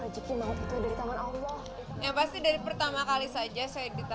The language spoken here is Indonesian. yang pasti dari pertama kali saja saya ditanyakan